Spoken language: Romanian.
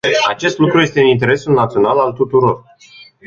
Acest lucru este în interesul național al tuturor.